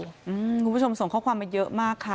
คุณผู้ชมส่งข้อความมาเยอะมากค่ะ